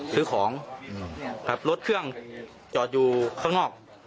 ซื้อของขับรถเครื่องจอดอยู่ข้างนอก